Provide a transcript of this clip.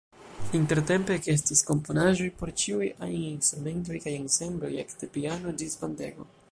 Intertempe ekestis komponaĵoj por ĉiuj ajn instrumentoj kaj ensembloj, ekde piano ĝis bandego.